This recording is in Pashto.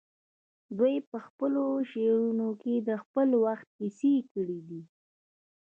دوی په خپلو شعرونو کې د خپل وخت کیسې کړي دي